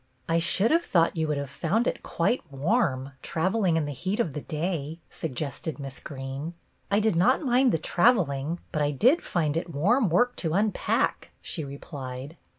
" I should have thought you would have found it quite warm, travelling in the heat of the day," suggested Miss Greene. " I did not mind the travelling, but I did find it warm work to unpack," she replied.